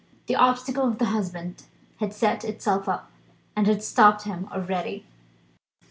The obstacle of the husband had set itself up, and had stopped him already.